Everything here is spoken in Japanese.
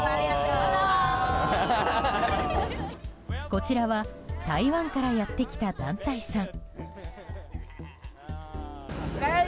こちらは台湾からやってきた団体さん。